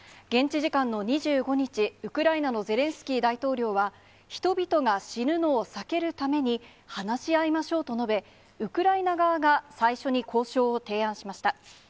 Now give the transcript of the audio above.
現地時間の２５日、ウクライナのゼレンスキー大統領は、人々が死ぬのを避けるために話し合いましょうと述べ、ウクライナ側が最初に交渉を提案しました。